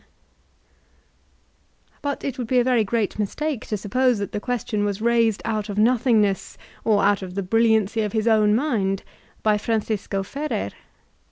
322 VOLTAIRINE DB ClEYKE But it would be a very great mistake to suppose that the question was raised out of nothingness, or out of the brilliancy of his own mind, by Francisco Ferrer.